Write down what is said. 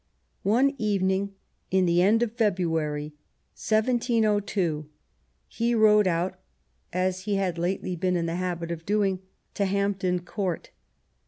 One evening in the end of February, 1702, he rode out, as he had lately been in the habit of doing, to Hampton Court.